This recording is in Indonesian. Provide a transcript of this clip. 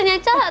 ya aku tau kok